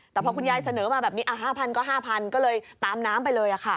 แต่พอคุณยายเสนอมาแบบนี้๕๐๐ก็๕๐๐ก็เลยตามน้ำไปเลย